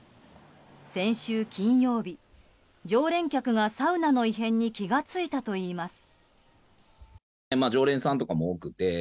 先週金曜日常連客が、サウナの異変に気が付いたといいます。